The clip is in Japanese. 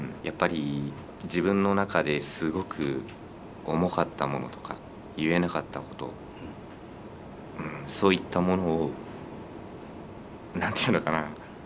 やっぱり自分の中ですごく重かったものとか言えなかったことをそういったものを何て言うのかな？